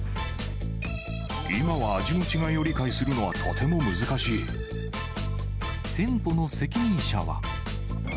今は味の違いを理解するのは店舗の責任者は。